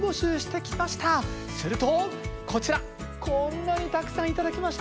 するとこちらこんなにたくさん頂きました。